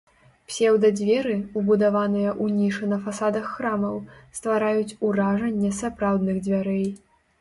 Псеўда-дзверы, убудаваныя ў нішы на фасадах храмаў, ствараюць уражанне сапраўдных дзвярэй.